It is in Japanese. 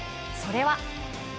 それは。